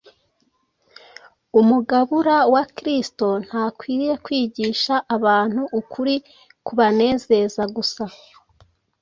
Umugabura wa Kristo ntakwiriye kwigisha abantu ukuri kubanezeza gusa